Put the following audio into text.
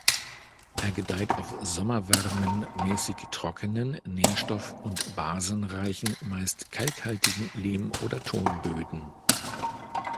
Er gedeiht auf sommerwarmen, mäßig trockenen, nährstoff- und basenreichen, meist kalkhaltigen Lehm- oder Tonböden.